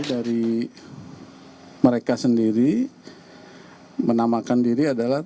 jadi dari mereka sendiri menamakan diri adalah tp